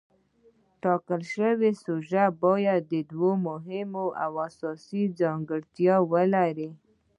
ټاکل شوې سوژه باید دوه مهمې او اساسي ځانګړتیاوې ولري.